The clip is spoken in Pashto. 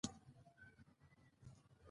د سهار له چای او شیدو وروسته، کابل ته روان شوو.